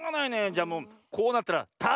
じゃもうこうなったらた